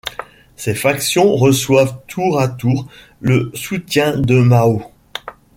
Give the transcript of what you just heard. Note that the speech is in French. Ces factions reçoivent tour à tour le soutien de Mao.